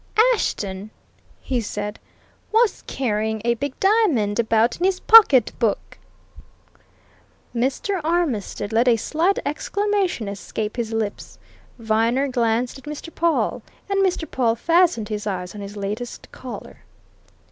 "Ashton," he said, "was carrying a big diamond about in his pocketbook!" Mr. Armitstead let a slight exclamation escape his lips. Viner glanced at Mr. Pawle. And Mr. Pawle fastened his eyes on his latest caller.